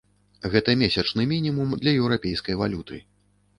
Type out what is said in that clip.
Гэта месячны мінімум для еўрапейскай валюты.